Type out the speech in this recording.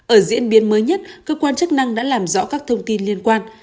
ở diễn biến mới nhất cơ quan chức năng đã làm rõ các thông tin liên quan